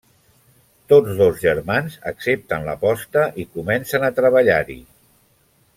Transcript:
Tots dos germans accepten l'aposta i comencen a treballar-hi.